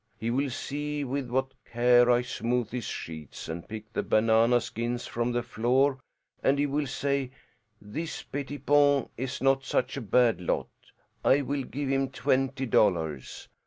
He will see with what care I smooth his sheets and pick the banana skins from the floor, and he will say, 'This Pettipon is not such a bad lot. I will give him twenty dollars.'